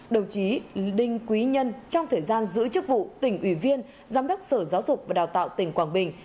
đồng chí đinh quý nhân trong thời gian giữ chức vụ tỉnh ủy viên giám đốc sở giáo dục và đào tạo tỉnh quảng bình